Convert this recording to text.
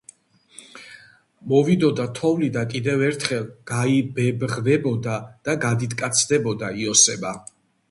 მოვიდოდა თოვლი და კიდევ ერთხელ გაიბებღვებოდა და გადიდკაცდებოდა იოსება.